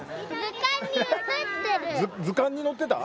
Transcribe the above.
図鑑に載ってた？